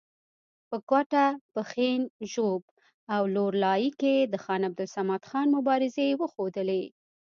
په کوټه، پښین، ژوب او لور لایي کې د خان عبدالصمد خان مبارزې وښودلې.